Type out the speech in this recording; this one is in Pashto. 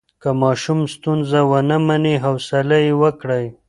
که ماشوم ستونزه ونه مني، حوصله یې وکړئ.